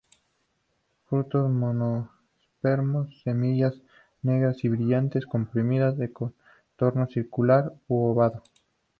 Frutos monospermos. Semillas negras y brillantes, comprimidas, de contorno circular u ovado.